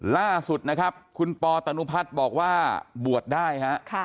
ล่าสุดนะครับคุณปอตนุพัฒน์บอกว่าบวชได้ฮะ